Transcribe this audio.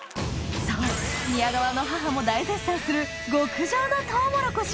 そう宮川の母も大絶賛する極上のトウモロコシ